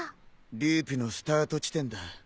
ループのスタート地点だ